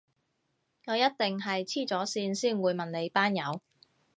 我一定係痴咗線先會問你班友